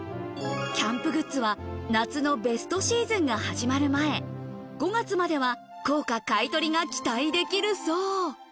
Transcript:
キャンプグッズは夏のベストシーズンが始まる前、５月までは高価買取が期待できるそう。